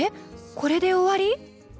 これで終わり？